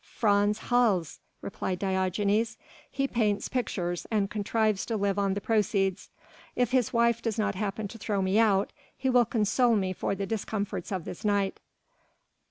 "Frans Hals," replied Diogenes; "he paints pictures and contrives to live on the proceeds. If his wife does not happen to throw me out, he will console me for the discomforts of this night."